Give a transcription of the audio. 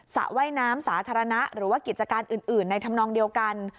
ระว่ายน้ำสาธารณะหรือว่ากิจการอื่นในธรรมนองเดียวกัน